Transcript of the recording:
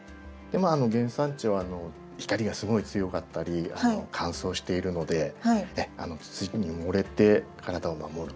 原産地は光がすごい強かったり乾燥しているので土に埋もれて体を守るっていうことですね。